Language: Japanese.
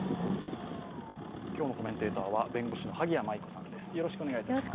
今日のコメンテーターは弁護士の萩谷麻衣子さんです。